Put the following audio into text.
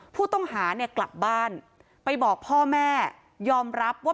ผู้ต้องหาเนี่ยกลับบ้านไปบอกพ่อแม่ยอมรับว่า